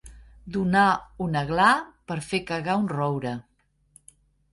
Donar un aglà per fer cagar un roure.